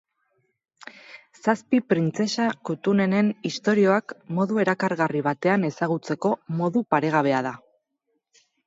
Zazpi printzesa kutunenen istorioak modu erakargarri batean ezagutzeko modu paregabea da.